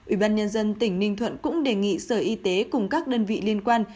ủy ban nhân dân tỉnh ninh thuận cũng đề nghị sở y tế cùng các đơn vị liên quan